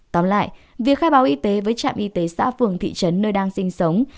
tóm lại việc khai báo y tế với trạm y tế xã phường thị trấn nơi đang sinh sống